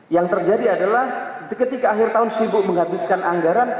yang terjadi adalah ketika akhir tahun sibuk menghabiskan anggaran